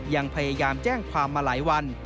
ยังพยายามแจ้งความมาหลายวัน